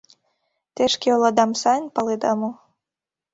— Те шке оладам сайын паледа мо?